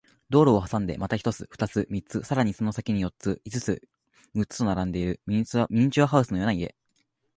道路を挟んでまた一つ、二つ、三つ、さらにその先に四つ、五つ、六つと並んでいるミニチュアハウスのような家